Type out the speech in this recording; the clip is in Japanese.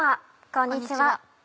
こんにちは。